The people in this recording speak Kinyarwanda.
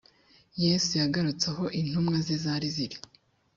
yesu yagarutse aho intumwa ze zari ziri